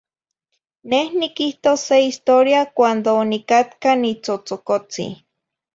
Neh niquihtos se historia cuando onicatca nitzotzocotzi